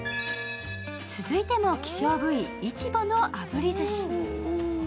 続いても希少部位、イチボの炙りずし。